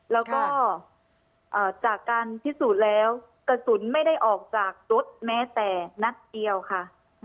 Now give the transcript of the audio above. แล้วก็จากการพิสูจน์แล้วกระสุนไม่ได้ออกจากรถแม้แต่นัดเดียวค่ะ